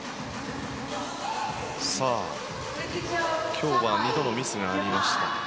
今日は２度のミスがありました。